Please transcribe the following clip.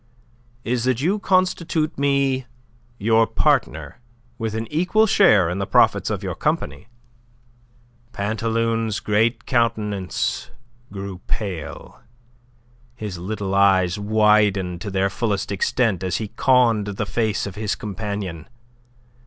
"Is that you constitute me your partner, with an equal share in the profits of your company." Pantaloon's great countenance grew pale, his little eyes widened to their fullest extent as he conned the face of his companion.